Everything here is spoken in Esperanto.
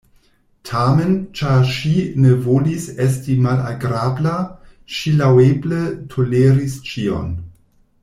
Tamen, ĉar ŝi ne volis esti malagrabla, ŝi laŭeble toleris ĉion.